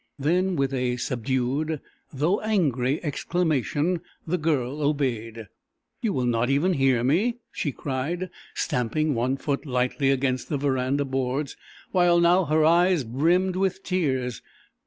Then, with a subdued though angry exclamation, the girl obeyed. "You will not even hear me?" she cried, stamping one foot lightly against the veranda boards, while now her eyes brimmed with tears.